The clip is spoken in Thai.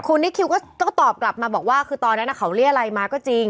คุณนิคิวก็ตอบกลับมาบอกว่าคือตอนนั้นเขาเรียกอะไรมาก็จริง